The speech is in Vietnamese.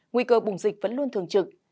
nguy cơ bùng dịch vẫn luôn thường trực